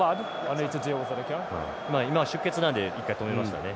今は出血なんで一回止めましたね。